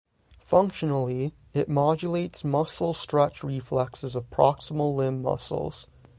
Functionally, it modulates muscle stretch reflexes of proximal limb muscles.